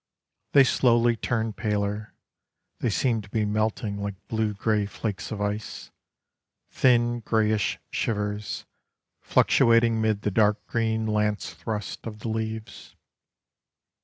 They slowly turn paler, They seem to be melting like blue grey flakes of ice, Thin greyish shivers Fluctuating mid the dark green lance thrust of the leaves.